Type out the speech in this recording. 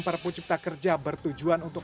perpu cipta kerja bertujuan untuk